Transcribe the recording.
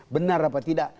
benar apa tidak